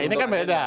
ya ini kan beda